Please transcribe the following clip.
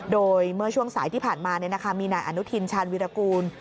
โดยเมื่อช่วงสายที่ผ่านมามีนายอนุทินชาญวิรากูล